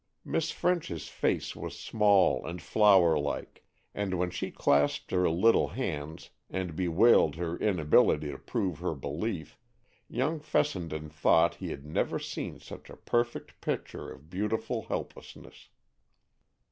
Miss French's face was small and flower like, and when she clasped her little hands and bewailed her inability to prove her belief, young Fessenden thought he had never seen such a perfect picture of beautiful helplessness.